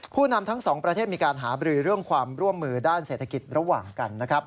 นำทั้งสองประเทศมีการหาบรือเรื่องความร่วมมือด้านเศรษฐกิจระหว่างกันนะครับ